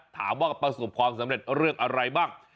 ถามว่าประสบความสำเร็จเรื่องอะไรบ้าง